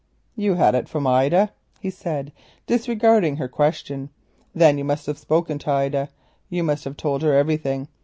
"You had it from Ida," he said, disregarding her question; "then you must have spoken to Ida—you must have told her everything.